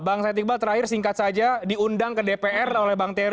bang said iqbal terakhir singkat saja diundang ke dpr oleh bang terry